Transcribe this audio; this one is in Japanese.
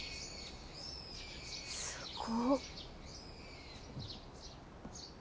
すごっ！